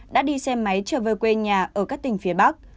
đã đi xe máy trở về quê nhà ở các tỉnh phía bắc